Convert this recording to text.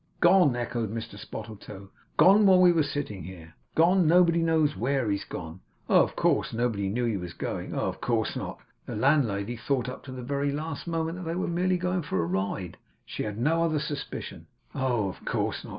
'Gone,' echoed Mr Spottletoe. 'Gone while we were sitting here. Gone. Nobody knows where he's gone. Oh, of course not! Nobody knew he was going. Oh, of course not! The landlady thought up to the very last moment that they were merely going for a ride; she had no other suspicion. Oh, of course not!